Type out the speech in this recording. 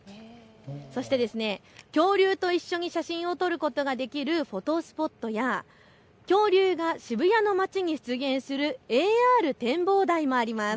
そして恐竜と一緒に写真を撮ることができるフォトスポットや恐竜が渋谷の街に出現するＡＲ展望台もあります。